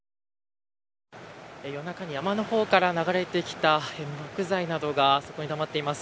夜中に、山の方から流れてきた木材などがそこにたまっています。